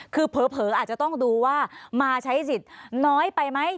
คือเผลออาจจะต้องดูว่ามาใช้สิทธิ์น้อยไปไหม